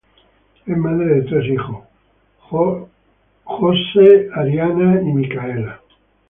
Es madre de tres hijos, Joel, Ariel y Michal.